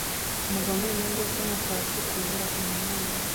Umugabo wambaye imyenda yose yumukara asuka urubura kumuhanda